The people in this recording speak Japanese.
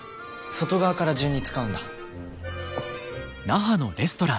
外側から順に使うんだ。